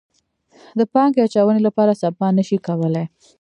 د پانګې اچونې لپاره سپما نه شي کولی.